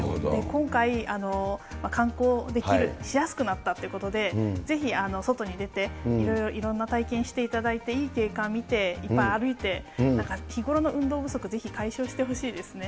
今回、観光できる、しやすくなったということで、ぜひ外に出て、いろいろ、いろんな体験をしていただいて、いい景観見て、いっぱい歩いて、日頃の運動不足、ぜひ解消してほしいですね。